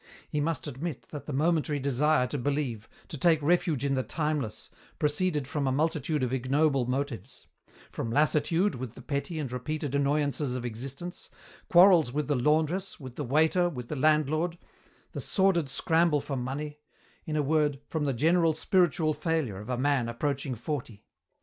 He must admit that the momentary desire to believe, to take refuge in the timeless, proceeded from a multitude of ignoble motives: from lassitude with the petty and repeated annoyances of existence, quarrels with the laundress, with the waiter, with the landlord; the sordid scramble for money; in a word, from the general spiritual failure of a man approaching forty.